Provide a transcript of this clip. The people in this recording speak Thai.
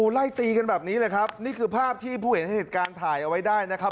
ไล่ตีกันแบบนี้เลยครับนี่คือภาพที่ผู้เห็นเหตุการณ์ถ่ายเอาไว้ได้นะครับ